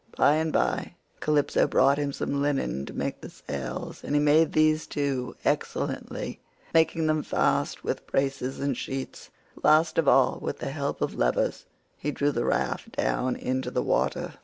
By and by Calypso brought him some linen to make the sails, and he made these too, excellently, making them fast with braces and sheets. Last of all, with the help of levers, he drew the raft down into the water.